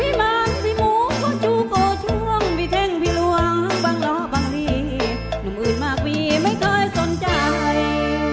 พี่มางพี่หมูก็จูโกช่วงพี่เท้งพี่หลวงบางล้อบางลีน้องอื่นมากมีไม่เคยสนใจ